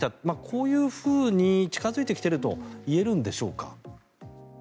こういうふうに近付いてきていると言えるんでしょうか。